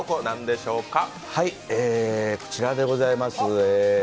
こちらでございます。